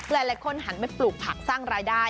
หลายคนหันไปปลูกผักสร้างรายได้